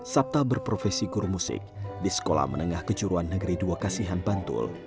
sabta berprofesi guru musik di sekolah menengah kejuruan negeri dua kasihan bantul